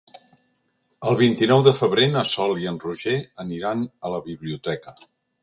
El vint-i-nou de febrer na Sol i en Roger aniran a la biblioteca.